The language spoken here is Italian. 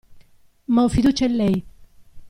Ma ho fiducia in lei!